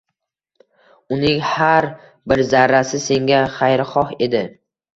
Uning har bir zarrasi senga xayrixoh edi.